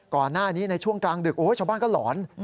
ก่อนหน้านี้ในช่วงกลางดึกชาวบ้านก็หลอน